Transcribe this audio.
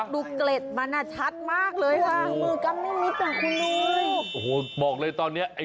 ดูเกร็ดมันชัดมากเลยค่ะ